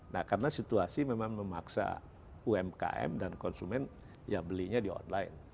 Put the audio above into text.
nah karena situasi memang memaksa umkm dan konsumen ya belinya di online